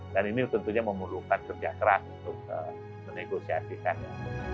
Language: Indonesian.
dan ini tentunya memerlukan kerja keras untuk menegosiasikannya